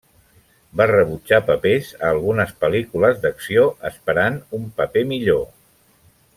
Va rebutjar papers a algunes pel·lícules d'acció, esperant un paper millor.